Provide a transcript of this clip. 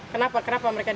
kenapa mereka diamannya